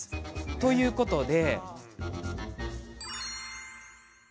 ということで。